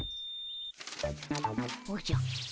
おじゃ。